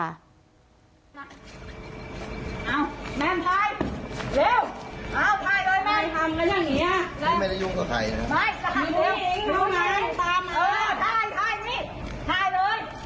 เอาแม่งถ่ายเร็วเอาถ่ายเลยแม่งทำกันอย่างเงี้ย